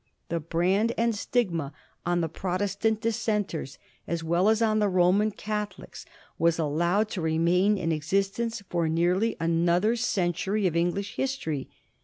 The brand and stigma on the Protestant Dissenters as well as on the Roman Catho lics was allowed to remain in existence for nearly another century of English history.